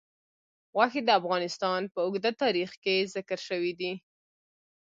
غوښې د افغانستان په اوږده تاریخ کې ذکر شوی دی.